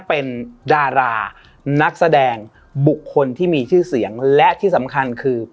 เป็นดารานักแสดงบุคคลที่มีชื่อเสียงและที่สำคัญคือ